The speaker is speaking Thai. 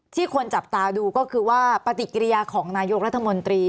คนจับตาดูก็คือว่าปฏิกิริยาของนายกรัฐมนตรี